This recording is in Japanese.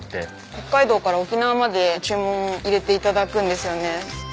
北海道から沖縄まで注文入れて頂くんですよね。